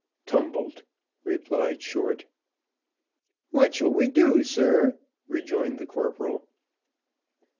"Tumbled," replied Short. "What shall we do, sir?" rejoined the corporal.